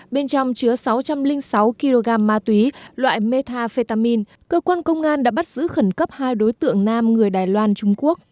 bên trong chứa sáu trăm linh sáu kg ma túy loại metafetamin cơ quan công an đã bắt giữ khẩn cấp hai đối tượng nam người đài loan trung quốc